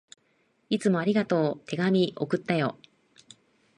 いつもありがとう。手紙、送ったよ。